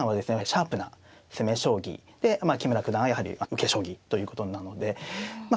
シャープな攻め将棋でまあ木村九段はやはり受け将棋ということなのでまあ